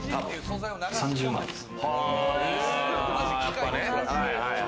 ３０万です。